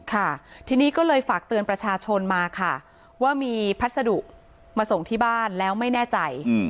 ค่ะทีนี้ก็เลยฝากเตือนประชาชนมาค่ะว่ามีพัสดุมาส่งที่บ้านแล้วไม่แน่ใจ